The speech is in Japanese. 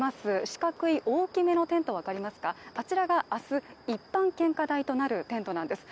四角い大きめのテント、あちらが明日、一般献花台となるテントなんです。